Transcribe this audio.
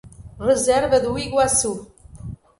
Reserva do Iguaçu